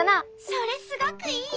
それすごくいい。